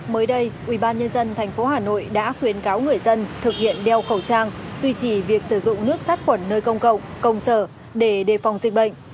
mới đây ubnd tp hà nội đã khuyến cáo người dân thực hiện đeo khẩu trang duy trì việc sử dụng nước sát khuẩn nơi công cộng công sở để đề phòng dịch bệnh